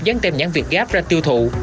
dán tem nhắn việt gáp ra tiêu thụ